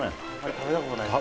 食べたことないです